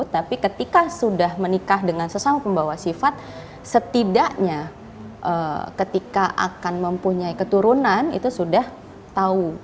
tapi ketika sudah menikah dengan sesama pembawa sifat setidaknya ketika akan mempunyai keturunan itu sudah tahu